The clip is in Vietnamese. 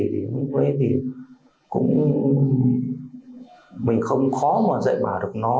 thì lúc ấy thì cũng mình không khó mà dạy bảo được nó